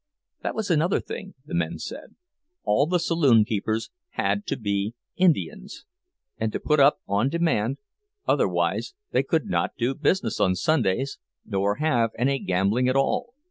That was another thing, the men said—all the saloon keepers had to be "Indians," and to put up on demand, otherwise they could not do business on Sundays, nor have any gambling at all.